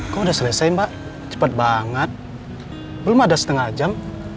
kok udah selesai mbak cepat banget belum ada setengah jam